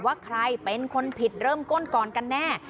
ว่าใครเป็นคนผิดเริ่มต้นก่อนกันแน่